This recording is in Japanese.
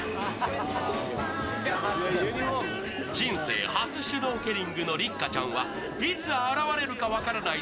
人生初シュノーケリングの六花ちゃんはいつ現れるか分からない